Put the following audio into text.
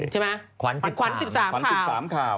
ใช่ไหมขวัญสิบสามข่าว